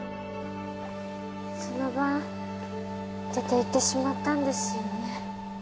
その晩出て行ってしまったんですよね